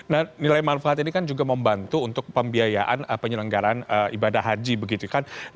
nah nilai manfaat ini kan juga membantu untuk pembiayaan penyelenggaran ibadah haji begitu kan